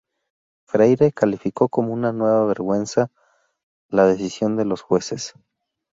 Freire calificó como "una vergüenza" la decisión de los jueces.